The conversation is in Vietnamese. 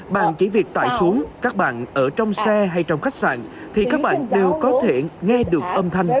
bạn chỉ việc tải xuống các bạn ở trong xe hay trong khách sạn thì các bạn đều có thể nghe được âm thanh